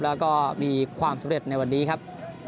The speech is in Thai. แล้วก็มีความสำเร็จในวันนี้ครับ